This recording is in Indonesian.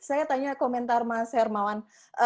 saya tanya komentar mas hermawan